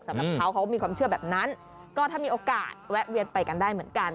สำหรับเขาเขามีความเชื่อแบบนั้นก็ถ้ามีโอกาสแวะเวียนไปกันได้เหมือนกัน